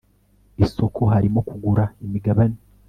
isoko harimo kugura imigabane